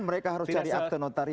mereka harus cari akte notari